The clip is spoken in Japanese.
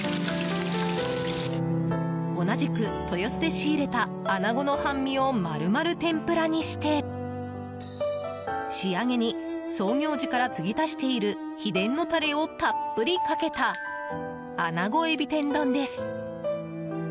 同じく豊洲で仕入れた穴子の半身をまるまる天ぷらにして仕上げに創業時から継ぎ足している秘伝のタレをたっぷりかけた穴子海老天丼です。